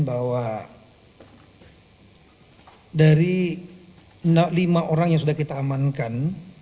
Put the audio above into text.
bahwa dari lima orang yang sudah kita amankan